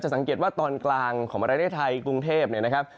จะสังเกตว่าตอนกลางของบริเวณไทยกรุงเทพฯนะครับ